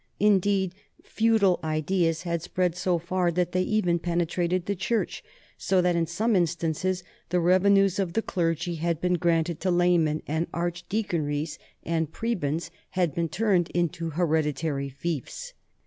Indeed feudal ideas had spread so far that they even penetrated the church r so that in some instances the revenues of the clergy had been granted to laymen and archdeaconries and 68 NORMANS IN EUROPEAN HISTORY prebends had been turned into hereditary fiefs.